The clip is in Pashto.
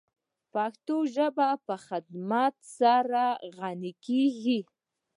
پښتو ژبه په خدمت سره غَنِی کیږی.